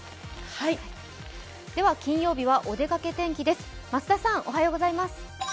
金曜日は、お出かけ天気です。